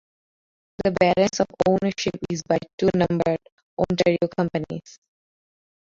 The balance of ownership is by two numbered Ontario companies.